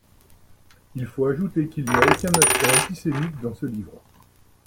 Il faut ajouter qu'il n'y a aucun aspect antisémite dans ce livre.